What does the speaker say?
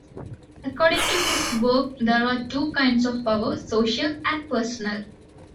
According to his work there are two kinds of power, "social" and "personal".